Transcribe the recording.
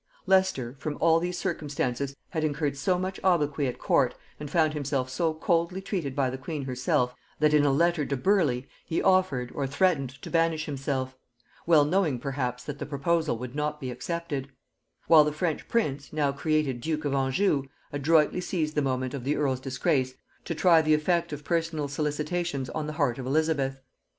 Leicester, from all these circumstances, had incurred so much obloquy at court, and found himself so coldly treated by the queen herself, that in a letter to Burleigh he offered, or threatened, to banish himself; well knowing, perhaps, that the proposal would not be accepted; while the French prince, now created duke of Anjou, adroitly seized the moment of the earl's disgrace to try the effect of personal solicitations on the heart of Elizabeth.